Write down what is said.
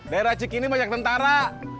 daerah cikini banyak tentara